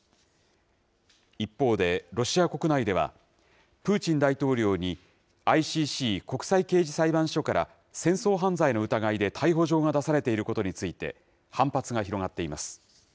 一方で、ロシア国内では、プーチン大統領にＩＣＣ・国際刑事裁判所から戦争犯罪の疑いで逮捕状が出されていることについて、反発が広がっています。